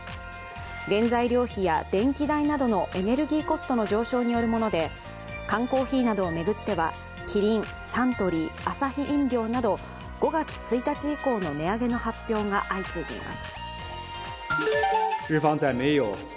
原材料費や電気代などのエネルギーコストの上昇によるもので缶コーヒーなどを巡ってはキリン、サントリー、アサヒ飲料など５月１日以降の値上げの発表が相次いでいます。